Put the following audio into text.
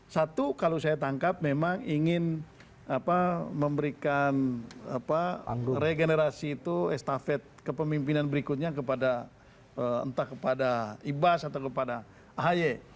satu kalau saya tangkap memang ingin memberikan regenerasi itu estafet kepemimpinan berikutnya kepada entah kepada ibas atau kepada ahy